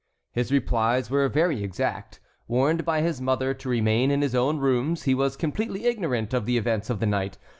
His replies were very exact. Warned by his mother to remain in his own rooms, he was completely ignorant of the events of the night.